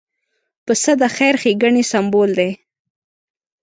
پسه د خیر ښېګڼې سمبول دی.